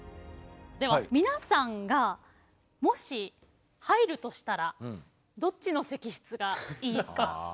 では皆さんがもし入るとしたらどっちの石室がいいか。